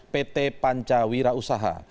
pt pancawira usaha